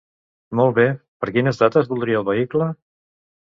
Molt bé, per quines dates voldria el vehicle?